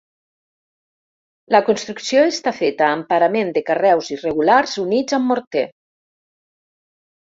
La construcció està feta amb parament de carreus irregulars units amb morter.